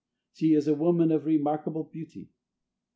She is a woman of remarkable beauty."